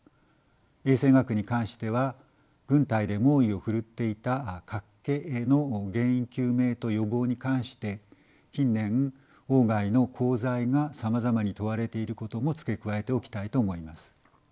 衛生学に関しては軍隊で猛威を奮っていた脚気の原因究明と予防に関して近年外の功罪がさまざまに問われていることも付け加えておきたいと思います。